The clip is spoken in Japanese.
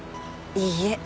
いいえ。